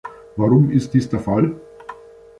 Warum ist dies der Fall?